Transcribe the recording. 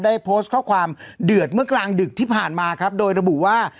ได้โพสต์ข้อความเดือดเมื่อกลางดึกที่ผ่านมาครับโดยระบุว่า